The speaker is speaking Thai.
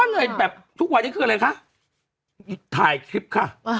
ทั่วเนื้อแบบทุกวันที่เกิดอะไรคะทายคลิปค่ะอ่ะ